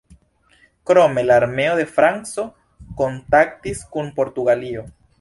Krome la armeo de Franco kontaktis kun Portugalio.